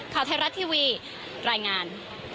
ข่าวไทยรัฐทีวีรายงาน